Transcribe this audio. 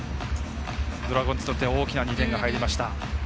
ドラゴンズにとっては大きな２点が入りました。